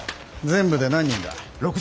全部で何人だ。